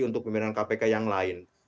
untuk pimpinan kpk yang lain